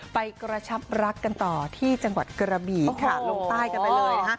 ไปกระชับรักกันต่อที่จังหวัดกระบี่ค่ะลงใต้กันไปเลยนะฮะ